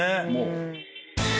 もう。